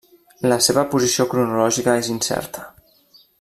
La seva posició cronològica és incerta.